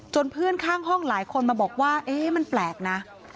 เพื่อนข้างห้องหลายคนมาบอกว่าเอ๊ะมันแปลกนะ